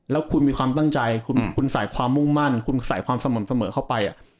แล้วคุณมีความตั้งใจคุณใส่ความมุ่งมั่นคุณใส่ความสม่ำเสมอเข้าไป